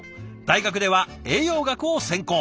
大学では栄養学を専攻。